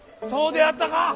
そうであったか。